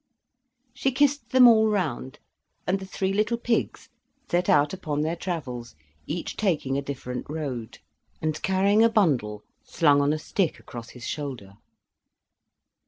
She kissed them all round, and the three little pigs set out upon their travels, each taking a different road, and carrying a bundle slung on a stick across his shoulder.